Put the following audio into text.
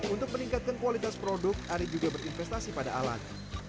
untuk meningkatkan kualitas produk ari juga berinvestasi pada alat